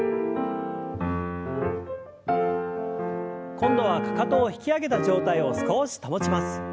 今度はかかとを引き上げた状態を少し保ちます。